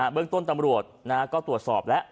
เรื่องต้นตำรวจก็ตรวจสอบแล้ว